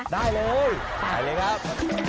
ได้เลยไปเลยครับ